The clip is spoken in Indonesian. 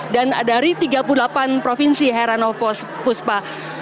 dan dari tiga puluh delapan provinsi herano fuspa